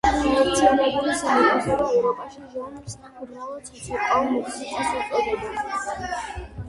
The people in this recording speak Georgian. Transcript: გაერთიანებულ სამეფოსა და ევროპაში ჟანრს უბრალოდ საცეკვაო მუსიკას უწოდებენ.